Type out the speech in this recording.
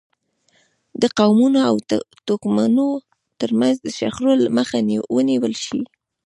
د قومونو او توکمونو ترمنځ د شخړو مخه ونیول شي.